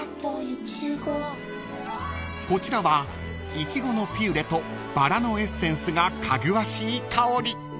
［こちらはイチゴのピューレとバラのエッセンスがかぐわしい香り］